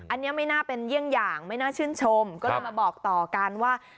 อันนี้ไม่น่าเป็นเยี่ยงอย่างไม่น่าชื่นชมก็เลยมาบอกต่อกันว่า